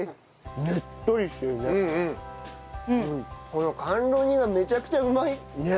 この甘露煮がめちゃくちゃうまいね。